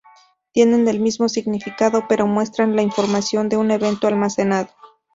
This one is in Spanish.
Tienen el mismo significado, pero muestran la información de un evento almacenado.